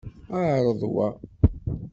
Ԑreḍ wa.